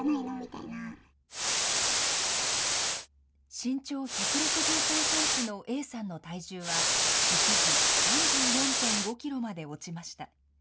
身長１６３センチのＡさんの体重は、一時、３４．５キロまで落ちました。